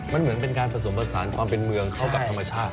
มันเหมือนเป็นการผสมผสานความเป็นเมืองเข้ากับธรรมชาติ